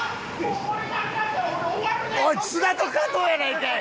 おい津田と加藤やないかい！